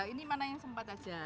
ini mana yang sempat saja